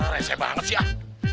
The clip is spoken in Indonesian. reset banget si ah